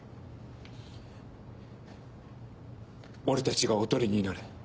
俺たちがおとりになる。